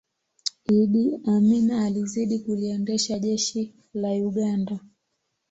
iddi amini alizidi kuliendesha jeshi la uganda